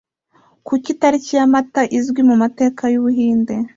Kuki itariki ya Mata izwi mu mateka y'Ubuhinde